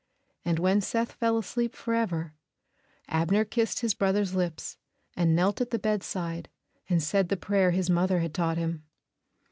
And when Seth fell asleep forever, Abner kissed his brother's lips and knelt at the bedside and said the prayer his mother had taught him.